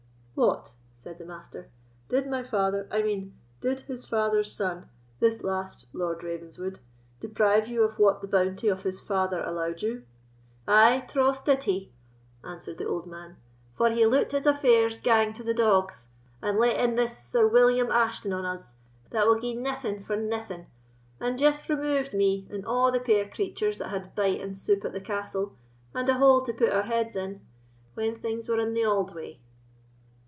"What," said the Master, "did my father—I mean, did his father's son—this last Lord Ravenswood, deprive you of what the bounty of his father allowed you?" "Ay, troth did he," answered the old man; "for he loot his affairs gang to the dogs, and let in this Sir William Ashton on us, that will gie naething for naething, and just removed me and a' the puir creatures that had bite and soup at the castle, and a hole to put our heads in, when things were in the auld way."